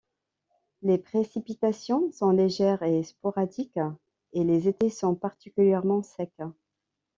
Les précipitations sont légères et sporadiques, et les étés sont particulièrement secs.